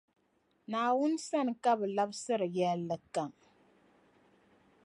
Naawuni sani ka bɛ labsiri yεllikam.